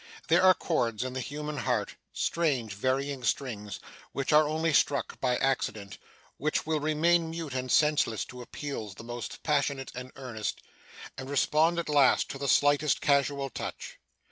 There are chords in the human heart strange, varying strings which are only struck by accident; which will remain mute and senseless to appeals the most passionate and earnest, and respond at last to the slightest casual touch.